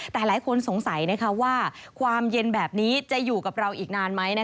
แต่หลายคนสงสัยว่าความเย็นแบบนี้จะอยู่กับเราอีกนานไหม